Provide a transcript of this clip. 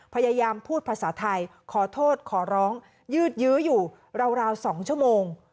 พยายามพูดภาษาไทยขอโทษขอร้องยืดยื้ออยู่ราว๒ชั่วโมง